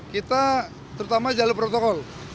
kita terutama jalur protokol